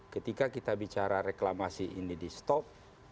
ketika kita bicara reklamasi ini di stop